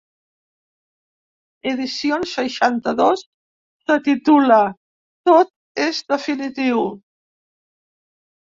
Edicions seixanta-dos, se titula "Tot és definitiu".